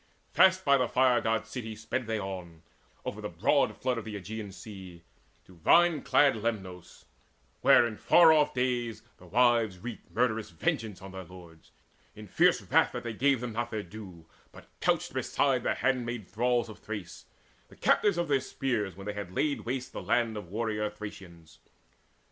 Fast by the Fire god's city sped they on Over the broad flood of the Aegean Sea To vine clad Lemnos, where in far off days The wives wreaked murderous vengeance on their lords, In fierce wrath that they gave them not their due, But couched beside the handmaid thralls of Thrace, The captives of their spears when they laid waste The land of warrior Thracians.